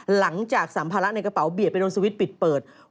สัมภาระในกระเป๋าเบียดไปโดนสวิตช์ปิดเปิด